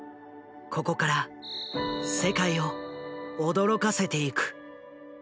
ここから世界を驚かせていく。